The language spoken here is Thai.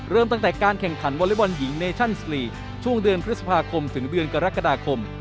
เริ่มตั้งแต่การแข่งขันวอเล็กบอลหญิงเนชั่นสลีช่วงเดือนพฤษภาคมถึงเดือนกรกฎาคม